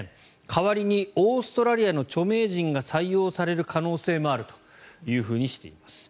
代わりにオーストラリアの著名人が採用される可能性もあるとしています。